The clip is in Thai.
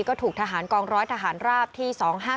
ก็ถูกทหารกองร้อยทหารราบที่๒๕๖